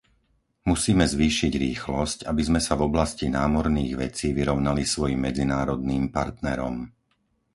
Musíme zvýšiť rýchlosť, aby sme sa v oblasti námorných vecí vyrovnali svojim medzinárodným partnerom.